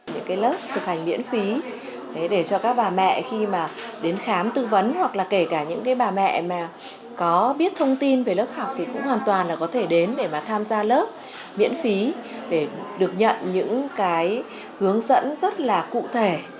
những cái lớp thực hành miễn phí để cho các bà mẹ khi mà đến khám tư vấn hoặc là kể cả những bà mẹ mà có biết thông tin về lớp học thì cũng hoàn toàn là có thể đến để mà tham gia lớp miễn phí để được nhận những cái hướng dẫn rất là cụ thể